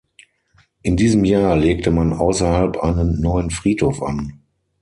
In diesem Jahr legte man außerhalb einen neuen Friedhof an.